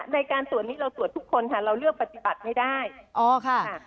ในการตรวจนี้เราตรวจทุกคนค่ะเราเลือกปฏิบัติไม่ได้อ๋อค่ะ